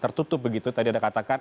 tertutup begitu tadi anda katakan